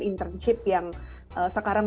internship yang sekarang